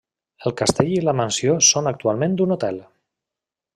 El castell i la mansió són actualment un hotel.